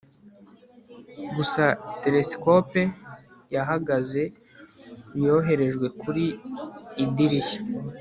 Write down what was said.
gusa telesikope yahagaze yoherejwe kuri idirishya